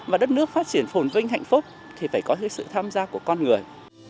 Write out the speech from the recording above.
và đất nước phát triển phồn vinh hạnh phúc thì phải có sự tham gia của con người